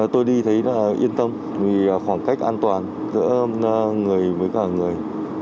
tôi đi thấy yên tâm vì khoảng cách an toàn giữa người với cả người